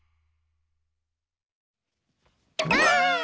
ばあっ！